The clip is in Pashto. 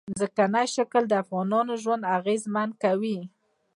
ځمکنی شکل د افغانانو ژوند اغېزمن کوي.